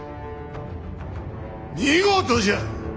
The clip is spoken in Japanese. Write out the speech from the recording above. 見事じゃ！